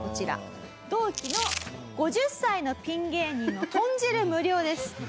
同期の５０歳のピン芸人のとん汁無料です。